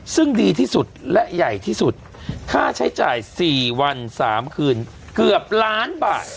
ซึ่งดีที่สุดและใหญ่ที่สุดค่าใช้จ่าย๔วัน๓คืนเกือบล้านบาท